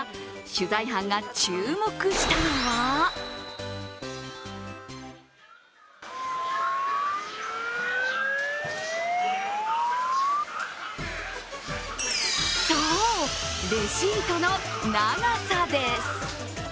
取材班が注目したのはそう、レシートの長さです。